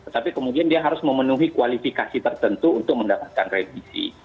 tapi kemudian dia harus memenuhi kualifikasi tertentu untuk mendapatkan revisi